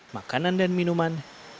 makanan dan minuman